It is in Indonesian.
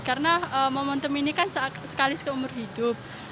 karena momentum ini kan sekali seumur hidup